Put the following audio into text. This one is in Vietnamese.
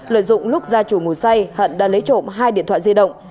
lợi dụng lúc ra chủ mùa say hận đã lấy trộm hai điện thoại di động